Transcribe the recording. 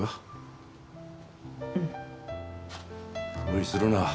無理するな。